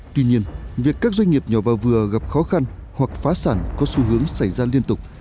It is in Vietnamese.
tuy nhiên việc các doanh nghiệp nhỏ và vừa gặp khó khăn hoặc phá sản có xu hướng xảy ra liên tục